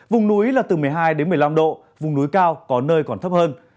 vùng núi là từ một mươi hai đến một mươi năm độ vùng núi cao có nơi còn thấp hơn